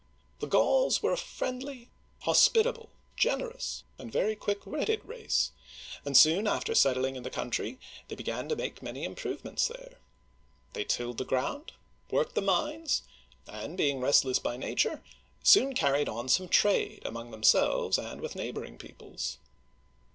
The Gauls were a friendly, hospitable, generous, and very quick witted race, and soon after settling in the country they began to make many improvements there. They tilled the ground, worked the mines, and, being restless by nature, soon carried on some trade among themselves and with neighboring peoples.